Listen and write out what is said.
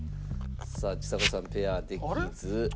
さあちさ子さんペアできず。